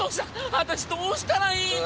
私どうしたらいいの？